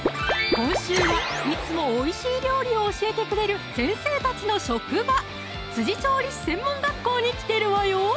今週はいつもおいしい料理を教えてくれる先生たちの職場調理師専門学校に来てるわよ